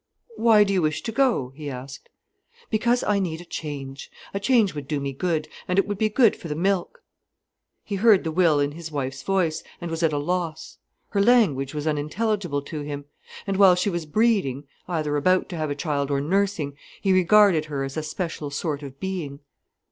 "Why do you wish to go?" he asked. "Because I need a change. A change would do me good, and it would be good for the milk." He heard the will in his wife's voice, and was at a loss. Her language was unintelligible to him. And while she was breeding, either about to have a child, or nursing, he regarded her as a special sort of being.